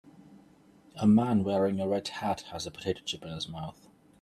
a man wearing a red hat has a potato chip in his mouth